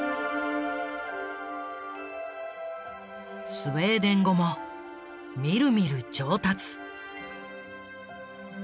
スウェーデン語もみるみる上達。